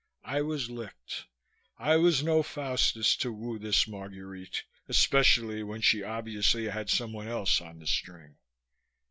I was licked. I was no Faustus to woo this Marguerite, especially when she obviously had someone else on the string.